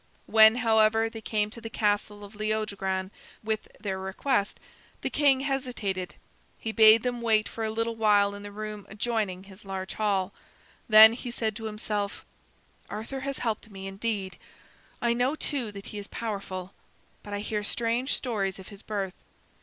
When, however, they came to the castle of Leodogran with their request, the king hesitated. He bade them wait for a little while in the room adjoining his large hall. Then he said to himself: "Arthur has helped me, indeed. I know, too, that he is powerful. But I hear strange stories of his birth.